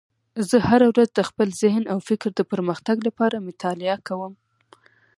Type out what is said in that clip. زه هره ورځ د خپل ذهن او فکر د پرمختګ لپاره مطالعه کوم